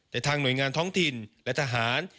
แต่ทางหน่วยงานท้องถิ่นและทหาร